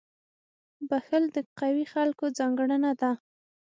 • بخښل د قوي خلکو ځانګړنه ده.